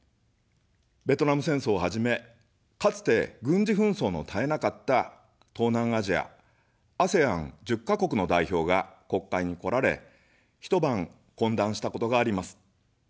ベトナム戦争をはじめ、かつて、軍事紛争の絶えなかった東南アジアＡＳＥＡＮ１０か国の代表が国会に来られ、一晩懇談したことがあります。